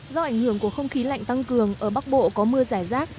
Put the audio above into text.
do ảnh hưởng của không khí lạnh tăng cường ở bắc bộ có mưa giải rác